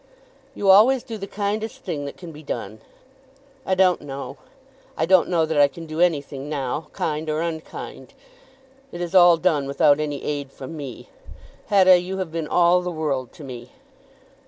"You always do the kindest thing that can be done." "I don't know. I don't know that I can do anything now, kind or unkind. It is all done without any aid from me. Hetta, you have been all the world to me."